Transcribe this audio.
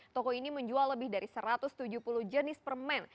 toko ini menjual lebih dari satu ratus tujuh puluh jenis permen